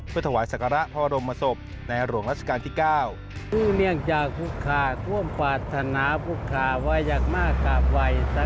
เพื่อถวายศักระพระบรมศพในหลวงราชการที่๙